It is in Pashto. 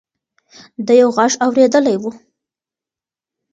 ده یو غږ اورېدلی و.